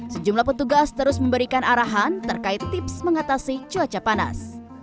sejumlah petugas terus memberikan arahan terkait tips mengatasi cuaca panas